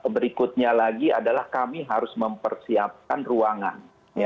berikutnya lagi adalah kami harus memiliki alat yang berbeda beda